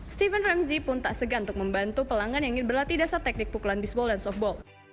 steven ramsey pun tak segan untuk membantu pelanggan yang berlatih dasar teknik pukulan baseball dan softball